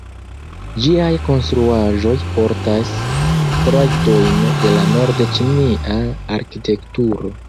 Ĝiaj konstruaĵoj portas trajtojn de la nord-ĉinia arkitekturo.